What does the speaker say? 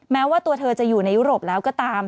แม้ว่าตัวเธอจะอยู่ในยุโรปแล้วก็ตาม